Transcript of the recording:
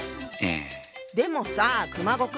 でもさ熊悟空。